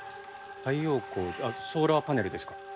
太陽光ソーラーパネルですか？